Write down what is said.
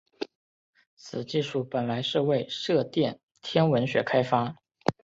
此技术本来是为射电天文学开发。